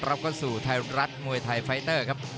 รับเข้าสู่ไทยรัฐมวยไทยไฟเตอร์ครับ